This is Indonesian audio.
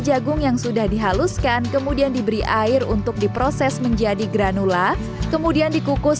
jagung yang sudah dihaluskan kemudian diberi air untuk diproses menjadi granula kemudian dikukus